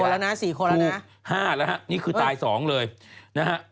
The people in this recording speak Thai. ๔คนแล้วนะ๔คนแล้วนะ๕แล้วนะครับนี่คือตาย๒เลยนะฮะ